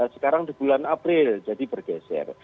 sekarang di bulan april jadi bergeser